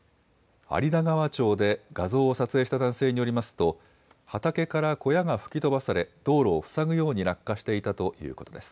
有田川町で画像を撮影した男性によりますと、畑から小屋が吹き飛ばされ、道路を塞ぐように落下していたということです。